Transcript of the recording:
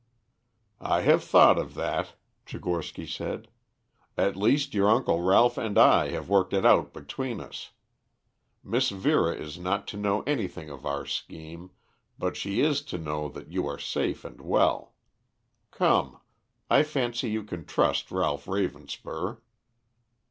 "I have thought of that," Tchigorsky said. "At least your uncle Ralph and I have worked it out between us. Miss Vera is not to know anything of our scheme, but she is to know that you are safe and well. Come, I fancy you can trust Ralph Ravenspur."